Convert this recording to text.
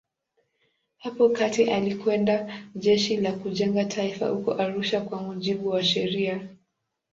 Hapo kati alikwenda Jeshi la Kujenga Taifa huko Arusha kwa mujibu wa sheria.